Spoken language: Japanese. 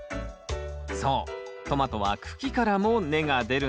そうトマトは茎からも根が出るんです。